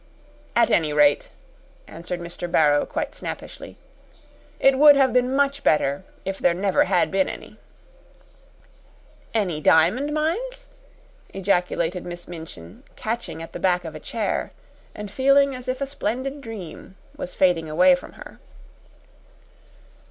"At any rate," answered Mr. Barrow, quite snappishly, "it would have been much better if there never had been any." "Any diamond mines?" ejaculated Miss Minchin, catching at the back of a chair and feeling as if a splendid dream was fading away from her.